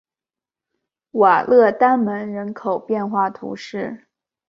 瓦勒丹门人口变化图示